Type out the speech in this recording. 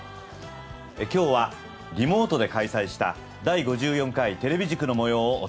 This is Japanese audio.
今日はリモートで開催した第５４回テレビ塾の模様をお伝えします。